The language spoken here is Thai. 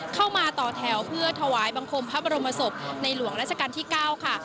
เข้ามาต่อแถวเพื่อถวายบังคมพระบรมศพในหลวงราชการที่๙ค่ะ